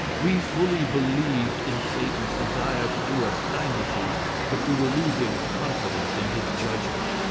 We fully believed in Satan's desire to do us kindnesses, but we were losing confidence in his judgment.